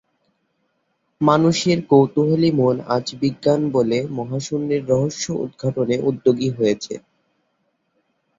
মানুষের কৌতুহলী মন আজ বিজ্ঞানের বলে মহাশুন্যের রহস্য উদঘাটনে উদ্যোগী হয়েছে।